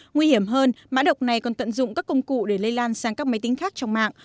nguy hiểm hơn mã độc này còn tận dụng các công cụ để lây lan sang các máy tính khác trong mạng